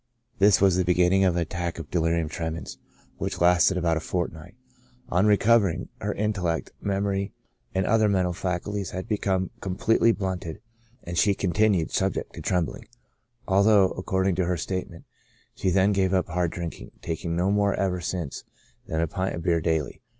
This was the beginning of an attack of delirium tremens, which lasted about a fortnight. On recovering, her intel lect, memory and other mental faculties had become com pletely blunted, and she continued subject to trembling. PREDISPOSING CAUSES. 49 although, according to her statement, she then gave up hard drinking, taking no more ever since than a pint of beer daily.